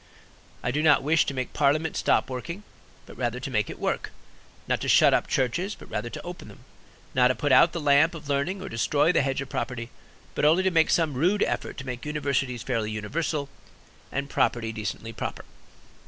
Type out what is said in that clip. I do not wish to make Parliament stop working, but rather to make it work; not to shut up churches, but rather to open them; not to put out the lamp of learning or destroy the hedge of property, but only to make some rude effort to make universities fairly universal and property decently proper.